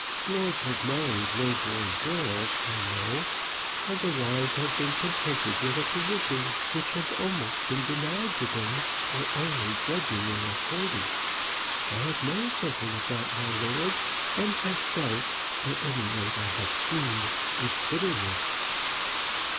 Lords have married low born girls, I know, and the wives have been contented with a position which has almost been denied to them, or only grudgingly accorded. I have known something of that, my lord, and have felt at any rate I have seen its bitterness.